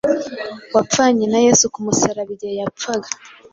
wapfanye na Yesu ku musaraba igihe yapfaga.